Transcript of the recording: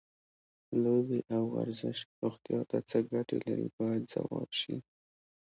لوبې او ورزش روغتیا ته څه ګټې لري باید ځواب شي.